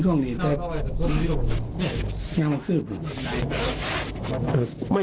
ใช่ของมันตลุล่ะ